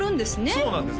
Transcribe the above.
そうなんです